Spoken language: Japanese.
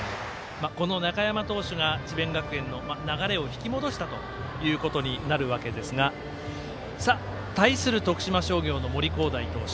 中山投手が智弁学園の流れを引き戻したということになるわけですが対する徳島商業の森煌誠投手。